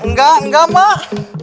enggak enggak mak